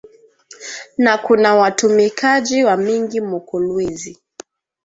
Na kuna watumikaji wa mingi mu kolwezi